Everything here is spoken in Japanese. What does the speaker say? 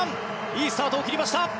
いいスタートを切りました。